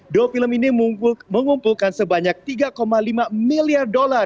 dua film ini mengumpulkan sebanyak tiga lima miliar dolar